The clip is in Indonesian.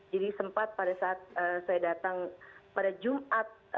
jadi sempat pada saat saya datang pada jumat